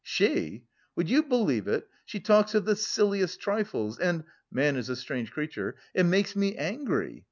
"She! Would you believe it, she talks of the silliest trifles and man is a strange creature it makes me angry.